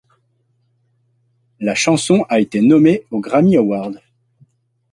La chanson a été nommée au Grammy Award.